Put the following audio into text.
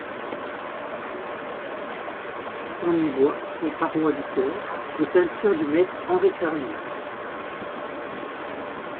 On y voit, aux parois du chœur, des peintures du maître Henri Charlier.